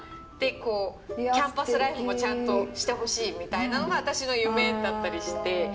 でキャンパスライフもちゃんとしてほしいみたいなのが私の夢だったりして。